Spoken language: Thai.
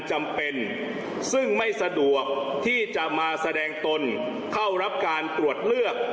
จำเป็นซึ่งไม่สะดวกที่จะมาแสดงตนเข้ารับการตรวจเลือก